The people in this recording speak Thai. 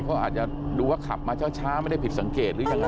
เขาอาจจะดูว่าขับมาช้าไม่ได้ผิดสังเกตหรือยังไง